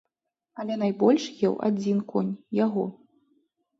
Але найбольш еў адзін конь, яго.